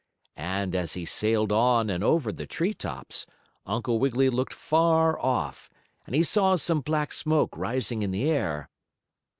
And, as he sailed on and over the tree tops, Uncle Wiggily looked far off, and he saw some black smoke rising in the air.